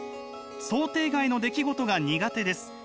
「想定外の出来事が苦手です。